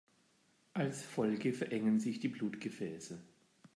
Als Folge verengen sich die Blutgefäße.